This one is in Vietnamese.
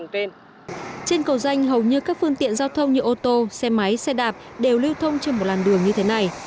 trên cầu danh hầu như các phương tiện giao thông như ô tô xe máy xe đạp đều lưu thông trên một làn đường như thế này